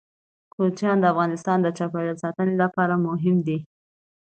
کوچیان د افغانستان د چاپیریال ساتنې لپاره مهم دي.